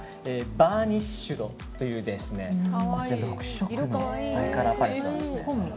バーニッシュドという６色のカラーパレットなんですね。